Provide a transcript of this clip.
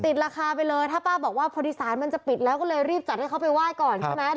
ราคาไปเลยถ้าป้าบอกว่าพอดีสารมันจะปิดแล้วก็เลยรีบจัดให้เขาไปไหว้ก่อนใช่ไหม